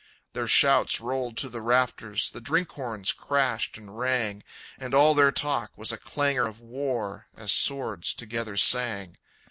Their shouts rolled to the rafters, The drink horns crashed and rang, And all their talk was a clangor of war, As swords together sang!